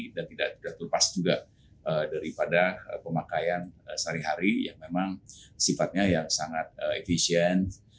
dan tidak terpas juga daripada pemakaian sehari hari yang memang sifatnya yang sangat efisien